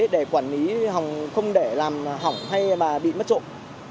để quản lý hỏng không để làm hỏng hay mà bị mất trộm